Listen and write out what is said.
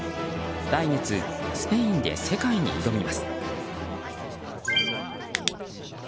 来月スペインで世界に挑みます。